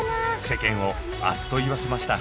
世間をあっと言わせました。